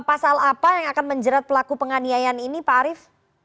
pasal apa yang akan menjerat pelaku penganiayaan ini pak arief